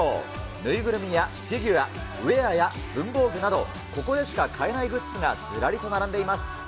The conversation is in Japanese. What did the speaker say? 縫いぐるみやフィギュア、ウエアや文房具など、ここでしか買えないグッズがずらりと並んでいます。